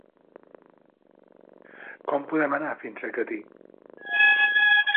Com podem anar fins a Catí?